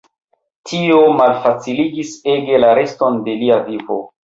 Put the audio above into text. Tio malfaciligis ege la reston de lia vivo.